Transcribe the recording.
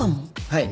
はい。